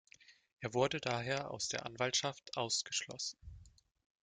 Er wurde daher aus der Anwaltschaft ausgeschlossen.